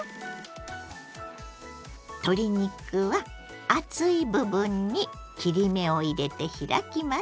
鶏肉は厚い部分に切り目を入れて開きます。